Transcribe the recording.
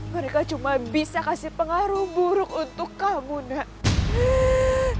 mereka cuma bisa kasih pengaruh buruk untuk kamu nak